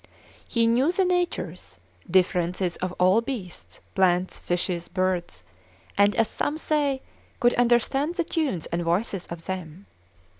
He knew the natures, differences of all beasts, plants, fishes, birds; and, as some say, could understand the tunes and voices of them.